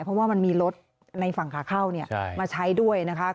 เพราะว่ามันมีรถในฝั่งขาเข้ามาใช้ด้วยนะคะ